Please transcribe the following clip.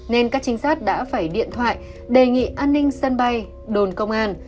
nên các trinh sát đã phải điện thoại đề nghị an ninh sân bay đồn công an